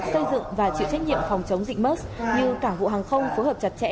xây dựng và chịu trách nhiệm phòng chống dịch musk như cảng vụ hàng không phối hợp chặt chẽ